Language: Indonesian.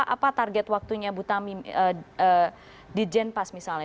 apa target waktunya di genpas misalnya